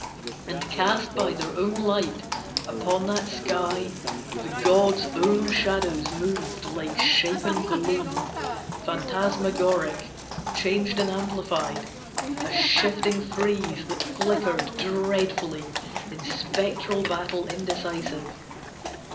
And cast by their own light, upon that sky The gods' own shadows moved like shapen gloom, Phantasmagoric, changed and amplified, A shifting frieze that flickered dreadfully In spectral battle indecisive.